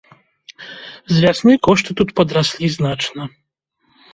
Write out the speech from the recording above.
З вясны кошты тут падраслі значна.